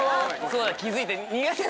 そうだ気付いた。